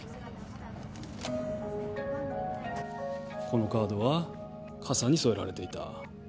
このカードは傘に添えられていた